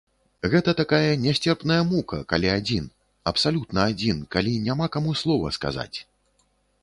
Гэта такая нясцерпная мука, калі адзін, абсалютна адзін, калі няма каму слова сказаць.